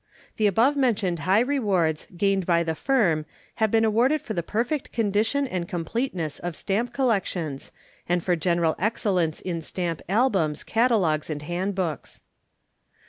The above mentioned high rewards gained by the Firm have been awarded for the perfect condition and completeness of Stamp Collections, and for general excellence in Stamp Albums, Catalogues, and Handbooks.